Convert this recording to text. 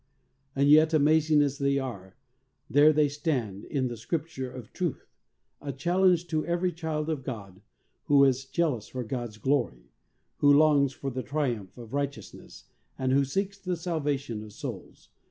And yet, amazing as they are, there they stand in "the Scrip ture of truth," a challenge to every child of God who is jealous for God's glory, who longs for the triumph of righteousness and who seeks the salvation of souls.